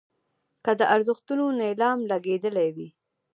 که د ارزښتونو نیلام لګېدلی وي.